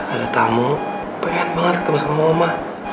ada tamu pengen banget ketemu sama mama